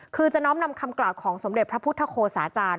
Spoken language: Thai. คือจะน้อมนำคำกล่าวของสมเด็จพระพุทธโฆษาจารย์